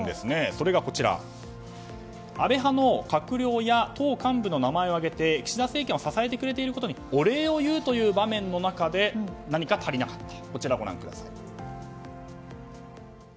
それが、安倍派の閣僚や党幹部の名前を挙げて岸田政権を支えてくれていることにお礼を言う場面の中で何か足りなかった。